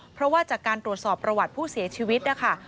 เพราะว่าจากการตรวจสอบประวัติผู้เสียชีวิตนะคะ